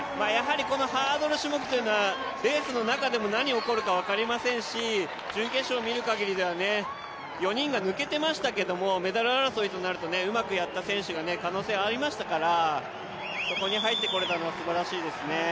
ハードル種目はレースの中でも何が起こるか分かりませんし、準決勝を見るかぎりでは４人が抜けていましたけれどもメダル争いとなるとうまくやった選手がいた可能性ありましたからそこに入ってこれたのはすばらしいですね。